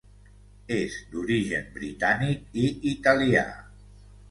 És d'origen britànic i italià.